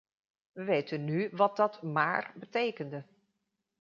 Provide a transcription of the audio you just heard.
We weten nu wat dat "maar” betekende.